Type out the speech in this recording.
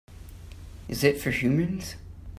Is it for humans?